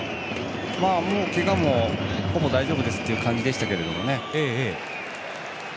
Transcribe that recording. けがもほぼ大丈夫ですという感じでしたけどね。